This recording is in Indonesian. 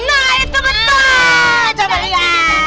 nah itu betul coba lihat